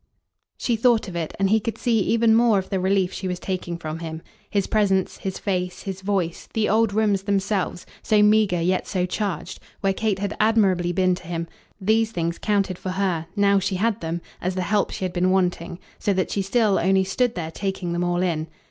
She thought of it, and he could see even more of the relief she was taking from him. His presence, his face, his voice, the old rooms themselves, so meagre yet so charged, where Kate had admirably been to him these things counted for her, now she had them, as the help she had been wanting: so that she still only stood there taking them all in.